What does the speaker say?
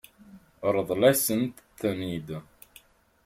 Ṛḍel-asent-ten-id.